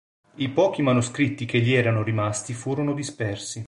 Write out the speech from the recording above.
I pochi manoscritti che gli erano rimasti furono dispersi.